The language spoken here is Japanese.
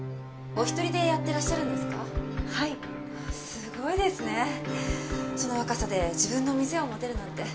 すごいですねその若さで自分の店を持てるなんて。